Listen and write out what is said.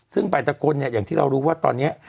ซึ่งแต่ละคนเนี่ยอย่างที่เรารู้ว่าตอนนี้